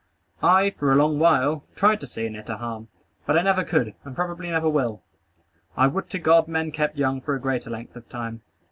I for a long while tried to see in it a harm, but I never could, and I probably never will. I would to God men kept young for a greater length of time.